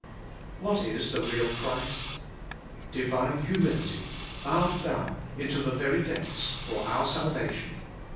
What is the real Christ? Divine humility, bowed down into the very depths for our salvation.